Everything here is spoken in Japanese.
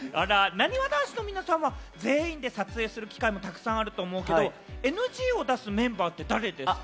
なにわ男子の皆さんは全員で撮影する機会もたくさんあると思うけれども、ＮＧを出すメンバーって誰ですか？